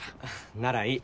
ならいい。